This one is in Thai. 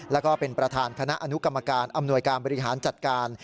แล้วก็เป็นประธานคณะอนุกรรมการอำนวยการบริหารจัดการ